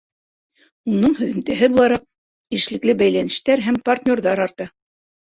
Уның һөҙөмтәһе булараҡ, эшлекле бәйләнештәр һәм партнерҙар арта.